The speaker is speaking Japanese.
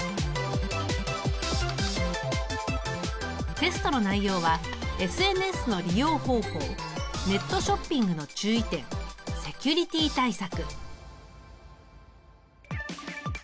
テストの内容はＳＮＳの利用方法ネットショッピングの注意点セキュリティ対策。